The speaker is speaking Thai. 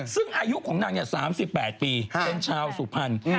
ซึ่งอายุของนาง๓๘ปีเป็นชาวสุพรรณ